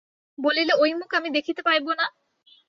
বলিল, ওই মুখ আমি দেখিতে পাইব না?